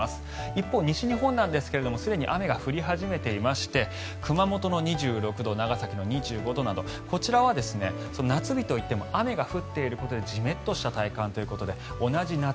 一方、西日本なんですがすでに雨が降り始めていまして熊本の２６度長崎の２５度などこちらは夏日といっても雨が降っていることでジメッとした体感ということで同じ夏